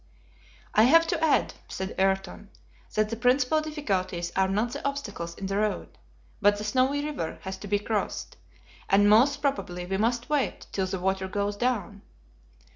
"I have to add," said Ayrton, "that the principal difficulties are not the obstacles in the road, but the Snowy River has to be crossed, and most probably we must wait till the water goes down."